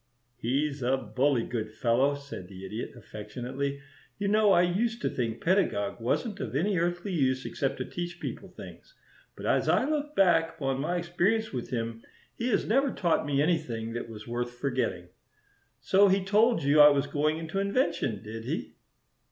"He's a bully good fellow," said the Idiot, affectionately. "You know I used to think Pedagog wasn't of any earthly use except to teach people things, but as I look back upon my experience with him he has never taught me anything that was worth forgetting. So he told you I was going into invention, did he?"